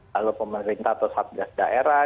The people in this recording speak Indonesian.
lalu pemerintah atau sub gas daerah